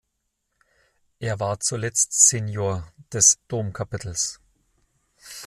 Er war zuletzt Senior des Domkapitels.